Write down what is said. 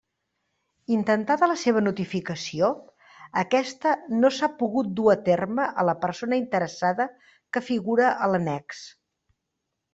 Intentada la seva notificació, aquesta no s'ha pogut dur a terme a la persona interessada que figura a l'annex.